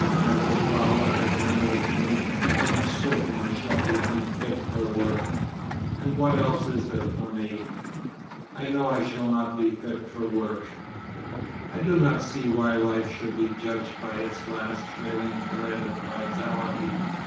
After Fowler has done with me I am certain I shall be unfit for work—and what else is there for me? ... I know I shall not be fit for work.... 'I do not see why life should be judged by its last trailing thread of vitality....